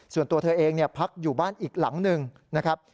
ส่วนตัวเธอเองพักอยู่บ้านอีกหลังหนึ่งนะครับ